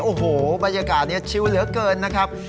โอ้โหบรรยากาศนี้ชิวเหลือเกินนะครับ